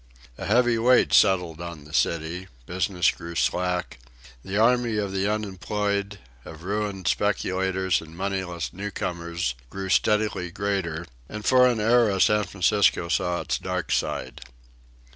A heavy weight settled on the city; business grew slack; the army of the unemployed, of ruined speculators and moneyless newcomers grew steadily greater, and for an era San Francisco saw its dark side.